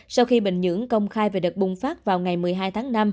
sau khi bình nhưỡng công khai về đợt bùng phát vào ngày một mươi hai tháng năm